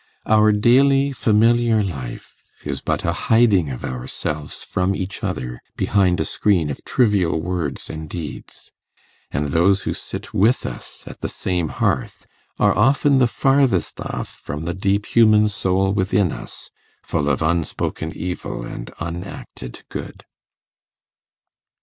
Our daily familiar life is but a hiding of ourselves from each other behind a screen of trivial words and deeds, and those who sit with us at the same hearth are often the farthest off from the deep human soul within us, full of unspoken evil and unacted good.